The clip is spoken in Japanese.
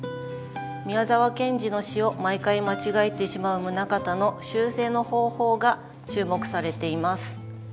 宮沢賢治の詩を毎回間違えてしまう棟方の修正の方法が注目されています。